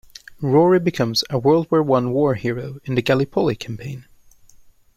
Rory becomes a World War One war hero in the Gallipoli campaign.